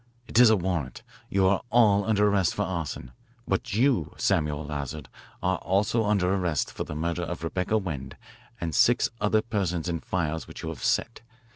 "It is a warrant. You are all under arrest for arson. But you, Samuel Lazard, are also under arrest for the murder of Rebecca Wend and six other persons in fires which you have set.